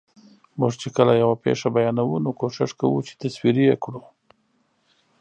موږ چې کله یوه پېښه بیانوو، نو کوښښ کوو چې تصویري یې کړو.